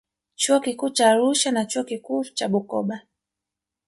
Chuo Kikuu cha Arusha na Chuo Kikuu cha Bukoba